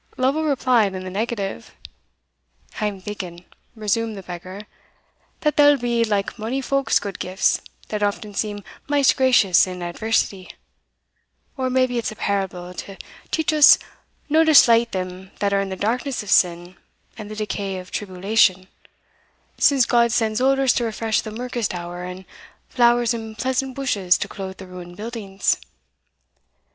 Lovel replied in the negative. "I am thinking," resumed the beggar, "that they'll be, like mony folk's gude gifts, that often seem maist gracious in adversity or maybe it's a parable, to teach us no to slight them that are in the darkness of sin and the decay of tribulation, since God sends odours to refresh the mirkest hour, and flowers and pleasant bushes to clothe the ruined buildings.